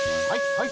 はい。